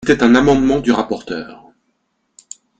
C’était un amendement du rapporteur.